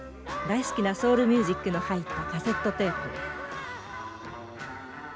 大好きなソウルミュージックの入ったカセットテープ。